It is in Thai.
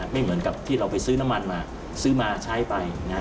ไม่เหมือนกับที่เราไปซื้อน้ำมันมาซื้อมาใช้ไปนะฮะ